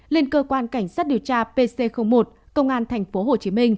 lên cơ quan cảnh sát điều tra pc một công an tp hcm